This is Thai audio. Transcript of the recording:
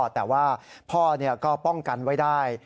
แต่ว่าพ่อก็ป้องกันไว้ได้